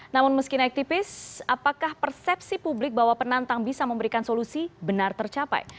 namun meski naik tipis apakah persepsi publik bahwa penantang bisa memberikan solusi benar tercapai